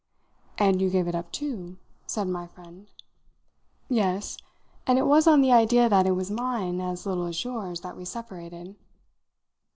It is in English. "And you gave it up too," said my friend. "Yes, and it was on the idea that it was mine as little as yours that we separated."